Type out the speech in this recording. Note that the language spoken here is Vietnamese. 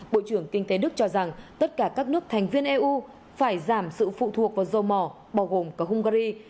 bộ trưởng kinh tế đức cho rằng tất cả các nước thành viên eu phải giảm sự phụ thuộc vào dầu mỏ bao gồm cả hungary